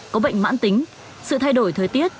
có bệnh mãn tính sự thay đổi thời tiết